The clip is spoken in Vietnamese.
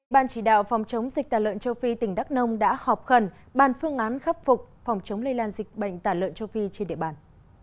ban chỉ đạo phòng chống dịch tả lợn châu phi tỉnh đắk nông đã họp khẩn bàn phương án khắc phục phòng chống lây lan dịch bệnh tả lợn châu phi trên địa bàn